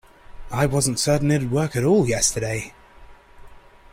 I wasn't certain it'd work at all yesterday.